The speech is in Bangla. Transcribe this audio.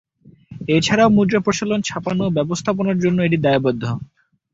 এছাড়াও মুদ্রা প্রচলন, ছাপানো এবং ব্যবস্থাপনার জন্যও এটি দায়বদ্ধ।